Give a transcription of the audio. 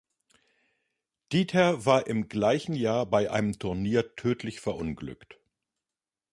Diether war im gleichen Jahr bei einem Turnier tödlich verunglückt.